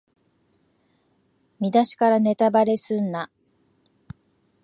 見だしからネタバレすんな